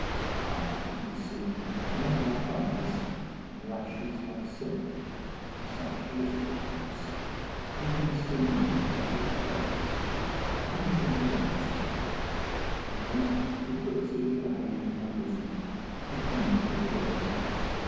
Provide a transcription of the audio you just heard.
Ah, if you could see him! he has black eyes and lashes like silk, and such little hands!—even his finger nails are all perfect, like little gems; and when he puts his little hand on my bosom I tremble with joy.